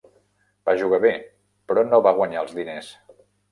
Va jugar bé, però no va guanyar els diners.